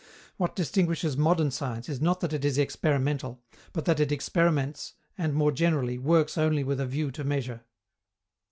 What distinguishes modern science is not that it is experimental, but that it experiments and, more generally, works only with a view to measure.